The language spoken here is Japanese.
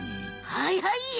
はいはい！